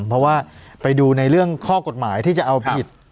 เพราะว่าไปดูในเรื่องข้อกฎหมายที่จะเอาผิด